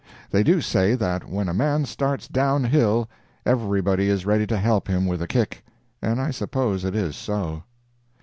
They do say that when a man starts downhill everybody is ready to help him with a kick, and I suppose it is so.